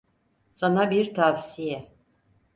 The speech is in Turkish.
Sana bir tavsiye.